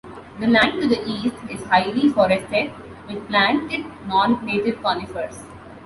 The land to the East is highly forested with planted non-native conifers.